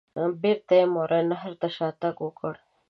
بیرته یې ماوراء النهر ته شاته تګ وکړ.